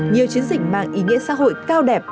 nhiều chiến dịch mang ý nghĩa xã hội cao đẹp